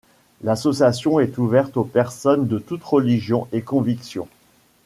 L'association est ouverte aux personnes de toutes religions et convictions.